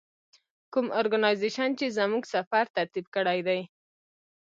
کوم ارګنایزیشن چې زموږ سفر ترتیب کړی دی.